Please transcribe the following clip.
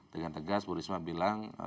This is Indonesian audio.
dengan tegas bu risma bilang